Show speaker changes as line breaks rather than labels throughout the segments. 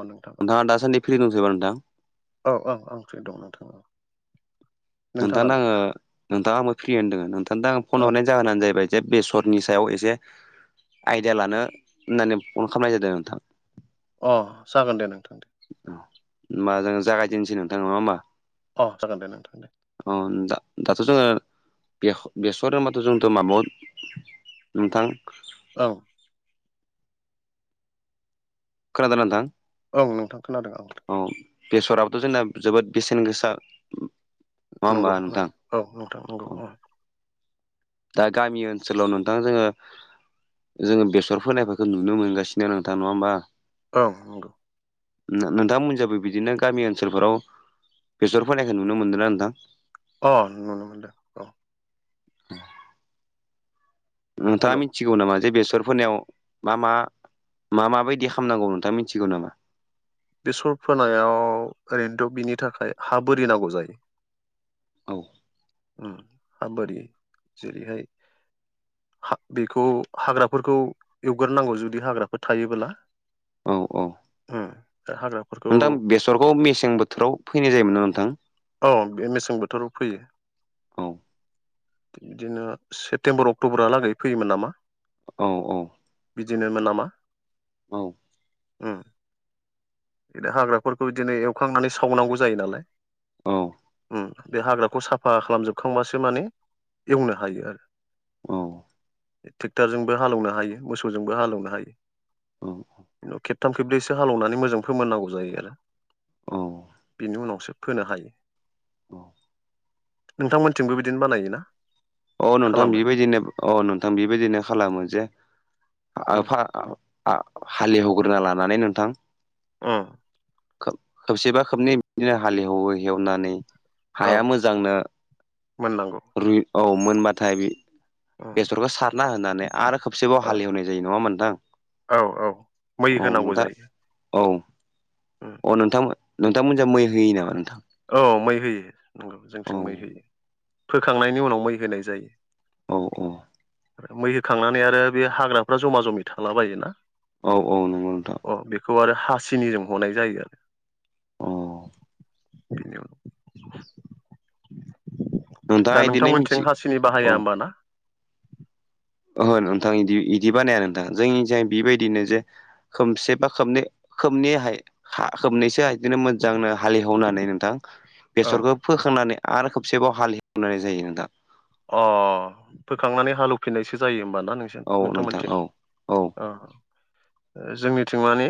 औ नोंथां
नोंथाङा दासानदि फ्रि दंसोयो नोंथां
औ-औ आं फ्रि दं नोंथां
नोंथांनो
नोंथाङालाय
आङो नोंथां आं फ्रिय होनदों नोंथांनो आं फन
औ
हरनाय जाहोनानो जाहैबाय जे बेसरनि सायाव एसे आइडिया लानो होननानै फन खालामनाय जादों नोंथां
अ जागोन दे नोंथां दे
होनोमबा जोङो जागायदिनोसै नोंथां नङा होमबा
अ जागोन दे नों दे
आं दा दाथ' जोङो बेख बेसर होनबाथ' जोंथ' माबाखौ नोंथां
औ
खोनादोंना नोंथां
औ नोंथां खोनादों औ
औ बेसराबोथ' जोंना जोबोद बेसेन गोसा नङा होमबा नोंथां
नंगौ-नंगौ औ नोंथां नंगौ औ
दा गामि ओनसोलाव नोंथां जोङो जोङो बेसर फोनायफोरखौ नुनो मोनगासिनो नोंथां नङा होमबा
औ नंगौ
नोंथांमोननिजोंबो बिदिनो गामि ओनसोलफोराव बेसर फोनायखौ नुनो मोनदोंना नोंथां
अ मोनदों औ
[inaudible] नोंथांआ मि
हेल'
मिथिगौ नामा जे बेसरफोरनाव मा-मा मा-मा बायदि खालामनांगौ नोंथाङा मिथिगौ नामा
बेसर फोनायाव ओरैनोथ' बिनि थाखाय हा बोरि नांगौ जायो।
औ
हा बोरि जेरैहाय हा बेखौ हाग्रा फोरखौ एवगोरनांगौ जुदि हाग्राफोर जायोबोला।
औ औ।
हाग्राफोर
नोंथां बेसरखौ मेसें बोथोराव फैनाय जायोमोन ना नोंथां?
औ बे मेसें बोथोराव फैयो।
औ
बिदिनो सेप्तेम्बर अक्ट'बरहालागै फैयोमोन नामा?
औ औ।
बिदिनोमोन नामा?
औ।
उम बिनो हाग्राफोरखौ बिदिनो एवखांनानै सावनांगौ जायो नालाय। बे हाग्राखौ साफा खालामजोबखांबासो माने एवनो हायो आरो।
औ।
ट्रेक्टरजोंबो हालेवनो हायो मोसौजोंबो हालेवनो हायो।
औ।
खेबथाम खेबन्रैसो हालेवनानै मोजां फोमोननांगौ जायो आरो बेनि उनावसो फोनो हायो।
औ
नोंथां मोननिथिंबो बिदिनो बानायोना?
औ नोंथां
खालामो
बेबायदिनो औ नोंथां बेबायदिनो खालामो जे
उम
आफा आं हालेवग्रोना लानानै नोंथां।
उम।
खोब खोबसेबा बिदिनो हालेवै एवनानै
औ
हाया मोजांनो
मोननांगौ
रुइ औ मोनबाथाय बे
उम
बेसरखौ सारना होनानै आरो खोबसेबाव
ओ
हालेवनाय जायो नङा होमब्ला नोंथां?
औ औ मै
औ
होनांगौ
नोंथां
जायो।
औ।
उम
अ नोंथां नोंथांमोनजों मै होयो नामा नोंथां?
औ मै होयो। नंगौ
औ
जोंथिं मै होयो। फोखांनायनि उनाव मै होनाय जायो।
औ औ।
मै होखांनानै आरो बे हाग्राफ्रा जमा जमि थाला बायोना।
औ औ नंगौ नोंथां।
अ बेखौ आरो हासिनिजों हनाय जायो आरो।
औ
[inaudible] दा
नोंथाङा इदिनो मिथि
नोंथांमोनथिं हासिनि
औ
बाहाया होमबा ना?
ओहो नोंथां इदि- इदि बानाया नोंथां जोंनिजाय बेबायदिनो जे खोमसे बा खोबनै खोबनैहाय खा [unintelligible] होबनायैसो बिदिनो मोजांनो हालेहवनानै नोंथां
ओं
बेसरखौ फोखांनानै आरो खबसेबाव हाल हेवनानै जायो नोंथां।
अ फोखांनानै हालवफिननायसो जायो होमबाना नों
औ नोंथां
नोंथांमोनथिं
औ
औ जोंनिथिं माने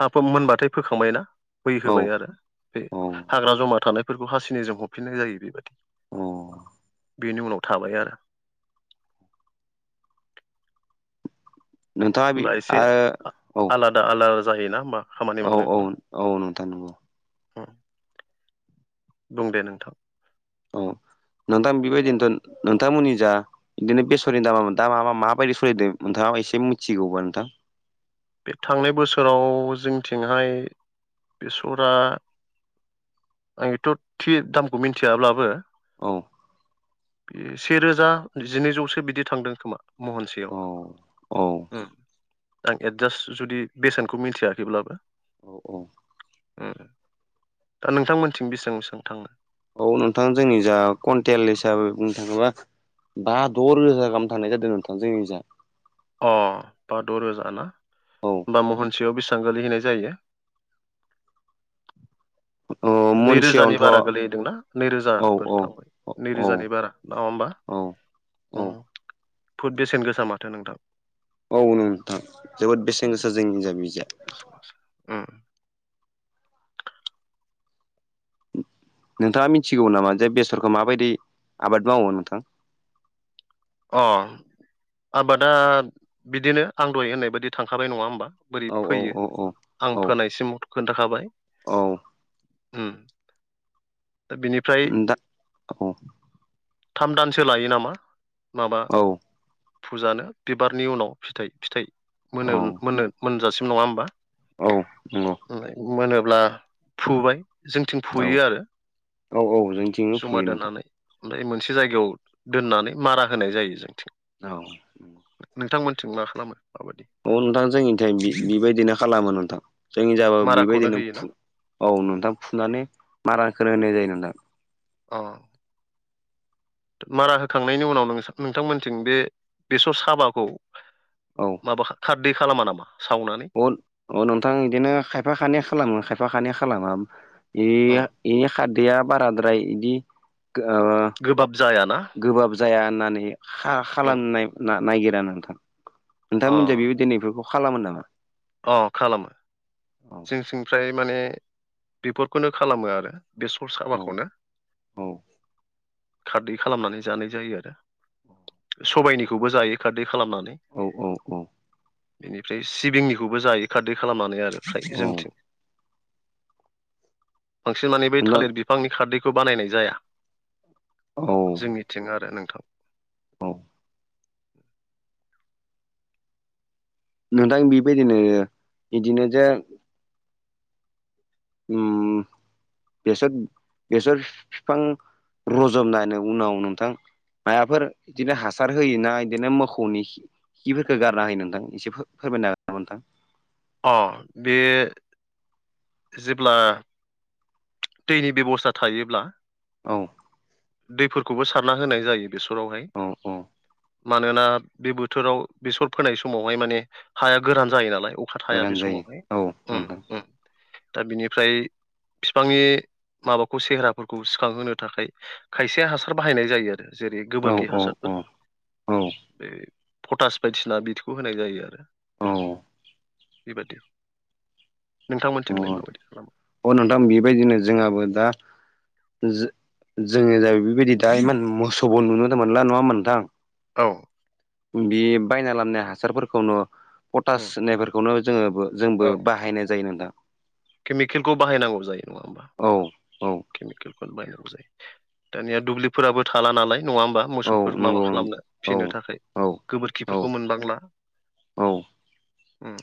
हा मोनबाथाय फोखांबाय ना। मै
औ
होबाय आरो बे
औ
हाग्रा जमा थानायफोरखौ हासिनिजों हफिननाय जायो बेबायादि।
औ।
बेनि उनाव थाबाय आरो
नोंथाङा बि आ औ
दा आलादा जायोना होमबा खामानि
औ औ
मावनायफ्रा?
औ नोंथां नंगौ
बुं दे नोंथां
औ नोंथां बेबायदिनोथ' नोंथांमोननि जा बिदिनो बेसरनि दामा नोंथां मा मा माबायदि स'लिदों नोंथाङा एसे मिथिगौबा नोंथां
बे थांनाय बोसोराव जोंनिथिंहाय बेसरआ आं एथ' थि दामखौ मिथियाब्लाबो
औ
बे से रोजा जिनैजौसो बिदि थांदों खोमा
औ औ
महनसेयाव ओम एडजास्ट जुदि बेसेनखौ मिथियाखैब्लाबो
औ औ
ओम दा नोंथांमोनथिं बेसेबां बेसेबां थांङो
औ नोंथां जोंनि जा खुनथेल हिसाबै बुंनो थांङोबा बा द' रोजा गाहाम थांनाय जादों नोंथां जोंनिजाय
अ बा द' रोजाना
औ
होनबा महनसेयाव बेसेबां गोलिहैनाय जायो।
औ
नैरोजानि
मनसेयावनोथ'
बारा गोलैहैदोंना
औ
नैरोजाफोर थांबाय
औ
नैरोजानि बारा नङा होमबा?
औ
फुट बेसेन गोसा माथो नोंथां।
औ नोंथां जोबोद
उम
बेसेन गोसा जोंनिजाय बिजाय
बेसेन गोसा। उम
नोंथाङा मिथिगौ नामा जे बेसरखौ माबायदि आबाद मावो नोंथां?
अह आबादा बिदिनो आं दहाय होननाय बायदि थांखाबाय नङा होमबा? बोरै
औ औ
फोयो
औ
आं
औ
फोनायसिम खोन्थाखाबाय
औ औ
ओम दा बिनि फ्राय
दा औ
थाम दानसो लायो नामा माबा
औ
फुजानो बिबारनि उनाव फिथाइ फिथाइ मोनो
औ
मोनो मोनजासिम नङा होमबा।
औ नंगौ
मोनोब्ला फुबाय जोंथिं
औ
फुयो आरो
औ औ जोंथिंबो
जमा
फुयो नोंथां
दोनानै। ओमफाय मोनसे जायगायाव दोननानै मारा होनाय जायो जोंथिं।
औ
नोंथांमोनथिं मा खालामो माबायदि?
अ नोंथां जोंनिथाय बि बिबायदिनो खालामो नोंथां जोंनिजाबाबो
माराखौनो
बेबायदिनो
होयोना
फु औ नोंथां फुननानै माराखौनो होनाय जायो नोंथां
अ मारा होखांनायनि उनाव नोंथांमोनथिं बे बेसर साबाखौ
औ
माबा खारदै खालामा नामा सावनानै?
अ अ नोंथां बिदिनो खायफा खानैया खालामो खायफा खानैया खालामा।
ओम
इया इ खारदैया बाराद्राय इदि ओ
गोबाब जायाना।
गोबाब जाया होननानै खा
ओम
खालामनाय ना-नायगिरा नोंथां
अ
नोंथांमोनजाय बेबायदिनै बेफोरखौ खालामो नामा?
अ खालामो।
औ
जोंनिथिंफ्राय माने बेफोरखौनो खालामो आरो बेसर
औ
साबाखौनो
औ
खारदै खालामनानै जानाय जायो आरो सबायनिखौबो जायो। खारदै खालामनानै
औ औ
बेनिफ्राय सिबिंनिखौबो जायो खारदै खालामनानै आरो। फ्राय
औ
जोंथिं बांसिन माने बै थालिर बिफांनि खारदैखौ बानायनाय जाया।
औ।
जोंनिथिं आरो नोंथां।
औ। नोंथां बेबायदिनो बिदिनोजों उम बेसर बेसर फिफां रजबनायनि उनाव नोंथां माबाफोर बिदिनो हासार होयोना बिदिनो मोखौनि खि खिफोरखौ गारना होयो नोंथां एसे फोरमायनो हागोन ना नोंथां?
अ बे जेब्ला दैनि बेबस्था थायोब्ला
औ
दैफोरखौबो सारना होनाय जायो बेसरावहाय
अ अ
मानोना बे बोथोराव बेसर फोनाय समावहाय माने हाया गोरान जायो नालाय था थाया
गोरान
बे
जायो औ नोंथां
समावहाय दा बिनिफ्राय फिफांनि माबाखौ सेहेराफोरखौ सिखांहोनो थाखाय खायसे हासार बाहायनाय जायो आरो जेरै
औ
गोबोरखि
औ
हासारफोर
औ औ
बे पटास बायदिसिना बिदिखौ होनाय जायो आरो
औ
बेबादि नोंथांमोनथिंलाय माबायदि खालामो?
अ नोंथां बेबायदिनो जोंहाबो दा जो जोंनि जायगा बेबायदि दा इमान मोसौबो नुनो मोनला नङामोनबा नोंथां?
औ।
बि बायना लाबनाय हासारफोरखौनो पटास
उम,
होननायफोरखौनो जोंङोबो जोंबो
औ
बाहायनाय नोंथां।
केमिकेलखौ बाहायनांगौ जायो नङा होमबा?
औ औ
केमिकेलखौनो बायनांगौ जायो। दानिया दुब्लिफोराबो थाला नालाय नङा होमबा?
औ
मोसौफोर माबा
नंगौ
खालामनो
औ
फिनो थाखाय
औ औ
गोबोरखिफोरखौ मोनबांला
औ
उम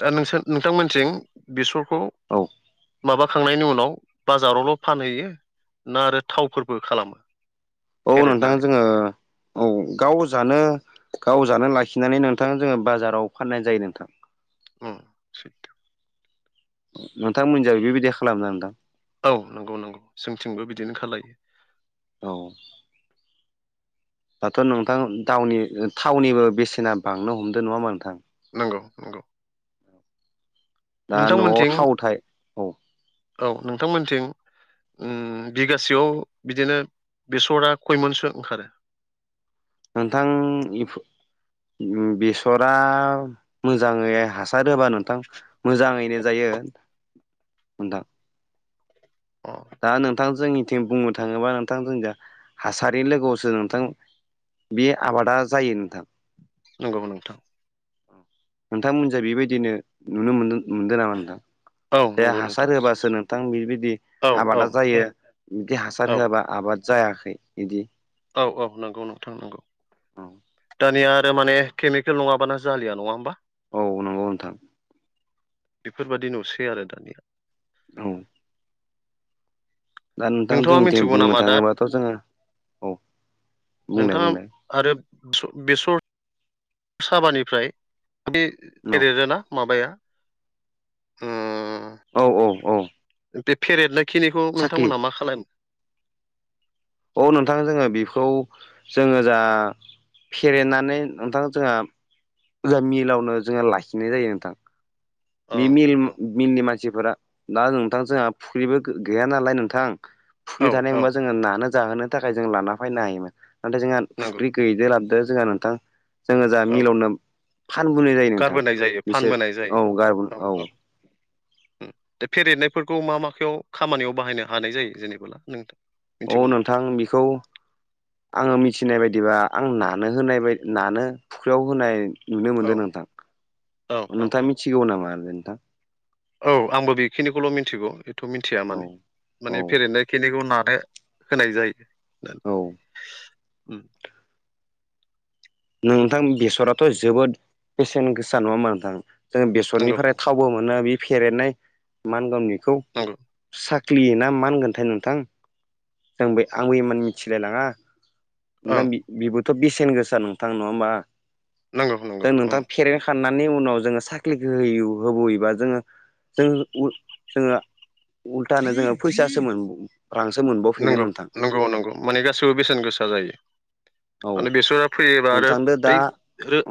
दा नोंसोर नोंथांमोनथिं बेसरखौ
औ
माबाखांनायनि उनाव बाजारावल फानहैयो ना आरो थावफोरबो खालामो?
औ नोंथां
फेरेदनानै
जोङो औ गाव जानो गाव जानो लाखिनानै नोंथां जों बाजाराव फाननाय नोंथां।
उम
नोंथांमोनजाय बेबायदि खालामना नोंथां?
औ नंगौ नंगौ जोंथिंबो बिदिनो खालायो।
औ। दाथ' नोंथां दावनि थावनिबो बेसेना बांनो हमदों नङा होमबा नोंथां?
नंगौ नंगौ
दा न'आव
नोंथांमोनथिं
थाव थाय औ
औ नोंथांमोनथिं उम बिगासेयाव बिदिनो बेसरा खयमनसो ओंखारो?
नोंथां इफ बेसरा मोजाङै हासार होबा नोंथां मोजाङैनो जायो नोंथां।
अ
दा नोंथां जोंनिथिं बुंनो थाङोबा नोंथां जोंनिजों हासारि लोगोआवसो नोंथां बे आबादा जायो नोंथां।
नंगौ नोंथां।
नोंथांमोननिजों बेबायदिनो नुनो मोनदों नुदों नामा नोंथां?
औ
जे
नंगौ
हासार
नोंथां
होबासो नोंथां बिबायदि
औ औ
आबादा जायो बिदि हासार
औ
होआबा आबाद जायाखै इदि?
औ औ नंगौ नोंथां नंगौ।
औ
दानिया आरो माने केमिकेल नङाबानो जालिया नङा होमबा?
औ नंगौ नोंथां।
बेफोरबादि नुसै आरो दानिया।
औ दा नोंथां
नोंथाङा
जोंनिथिं
मिथिगौ
बुंनो
नामा दा
थाङोबाथ' जोङो औ बुंलाय
नोंथाङा
बुंलाय‌
आरो बेस बेसर साबानिफ्राय बे
औ
फेरेदोना माबाया ओ
औ औ औ।
बे फेरेदनाय खिनिखौ
साख्लि
नोंथांमोनहा मा खालामो?
औ नोंथां जोङो बेखौ जोङो जा फेरेदनानै नोंथां जोंहा जोंहा मिलावनो जोंहा लाखिनाय जायो नोंथां बे
ओं
मिल मिलनि मानसिफोरा दा नोंथां जोंहा फुख्रिबो गो गैया नालाय नोंथां
औ
फुख्रि
औ
थानायमोनबा जोङो नानो जाहोनो थाखाय जों लाना फायनो हायोमोन नाथाय जोंहा
नंगौ
फुख्रि गैयिजो लाबदो जोंहा नोंथां जोङो जाहा
औ
मिलावनो फानबोनाय जायो नोंथां
गारबोनाय जायो
बिसोर
फानबोनाय जायो
औ गारबो
औ
औ‌
औ दा फेरेदनायफोरखौ मा माखायाव खामानियाव बाहायनो हानाय जायो जेनेबोला नोंथां?
अ
मिथिगौ नामा
नोंथां बेखौ आङो मिथिनाय बायदिबा आं नानो होनाय बाय नानो फुख्रियाव होनाय नुनो
औ
मोनदों नोंथां।
औ
अ
औ औ
नोंथाङा मिथिगौ नामा नोंथां?
औ आंबो बेखिनिखौल' मिथिगौ एथ' मिन्थिया
औ
माने।
औ
माने फेरेदनाय खिनिखौ नानो होनाय जायो।
औ
उम
नोंथां बेसराथ' जोबोद बेसेन गोसा नङा होनबा नोंथां जोङो
नंगौ
बेसरनिफ्राय
नोंथां
थावबो मोन नो बे फेरेदनाय मा होनगोन बेखौ
नंगौ
साख ख्लि ना मा होनगोनथाय नोंथां आंबे आंबो इमान मिथिलाय लाङा। नोंथां
ओं
बे-बेबोथ' बेसेन गोसा नोंथां नङा होमबा?
नंगौ
दा
नंगौ ओं
नोंथां फेरेद खाननानै उनाव जोङो साख्लिखौ होयु होबावयोबा जोङो जों उ जोङो उल्थानो जोङो फैसासो मोनबावो रांसो मोनबावफिनो
नंगौ
नोंथां।
नंगौ नंगौ माने गासैबो बेसेन गोसा जायो।
औ
माने बेसरा फैयोबा आरो
नोंथांदो दा
बै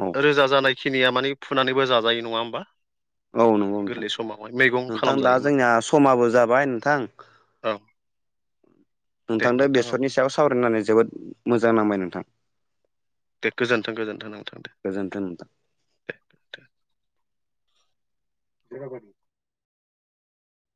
औ
रोजा जानाय खिनिया माने फुनानैबो जाजायो नङा होमबा
औ नोंगौ नोंथां
गोरलै समावहाय मैगं
नोंथां दा
खालामजायो माने
जोंनिया समाबो जाबाय नोंथां
औ दे
नोंथांदो
नोंथां औ
बेसरनि सायाव सावरायनानै जोबोद मोजां नांबाय नोंथां।
दे गोजोनथों-गोजोन्थों नोंथां दे।
गोजोन्थों नोंथां।
दे जेनबा